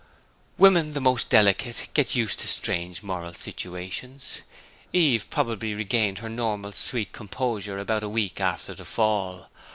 Women the most delicate get used to strange moral situations. Eve probably regained her normal sweet composure about a week after the Fall.